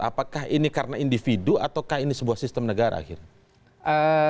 apakah ini karena individu ataukah ini sebuah sistem negara akhirnya